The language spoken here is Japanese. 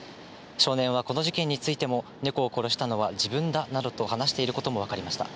少年はこの事件についても、猫を殺したのは自分だなどと話していることも分かりました。